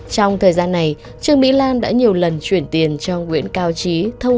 trong thời gian này trường mỹ lan đã nhiều lần chuyển tiền cho nguyễn cao trí